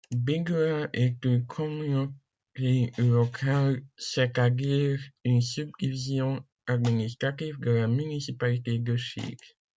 Bingula est une communauté locale, c'est-à-dire une subdivision administrative, de la municipalité de Šid.